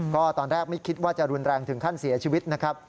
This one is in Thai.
ก็ตอนแรกไม่คิดว่าจะรุนแรงถึงขั้นเสียชีวิตนะครับ